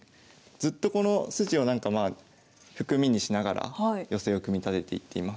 ずっとこの筋をなんかまあ含みにしながら寄せを組み立てていっています。